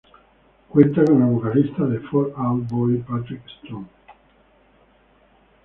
Cuenta con el vocalista de Fall Out Boy Patrick Stump.